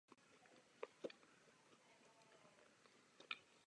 Například v Tanzanii.